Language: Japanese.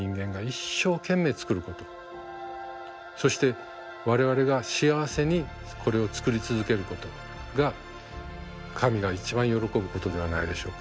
そして我々が幸せにこれを作り続けることが神が一番喜ぶことではないでしょうか。